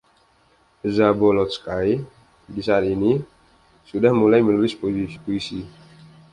Zabolotsky, di saat ini, sudah mulai menulis puisi.